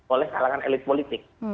oleh kalangan elit politik